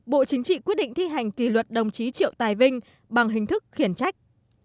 bộ chính trị quyết định thi hành kỷ luật đồng chí triệu tài vinh bằng hình thức khiển trách